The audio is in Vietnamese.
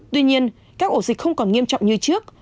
tuy nhiên các ổ dịch không còn nghiêm trọng như trước